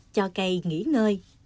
cho cây nghỉ ngơi